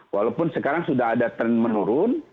walaupun sekarang sudah ada tren menurun